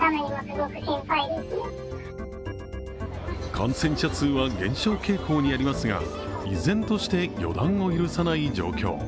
感染者数は減少傾向にありますが、依然として予断を許さない状況。